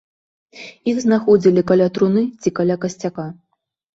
Іх знаходзілі каля труны ці каля касцяка.